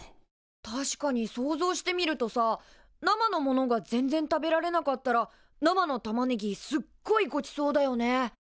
確かに想像してみるとさ生のものが全然食べられなかったら生のタマネギすっごいごちそうだよね。